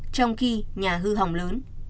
trong khi nhà hư hỏng lớn